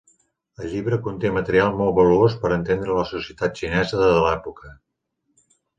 El llibre conté material molt valuós per a entendre la societat xinesa de l'època.